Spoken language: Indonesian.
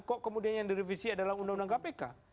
kok kemudian yang direvisi adalah undang undang kpk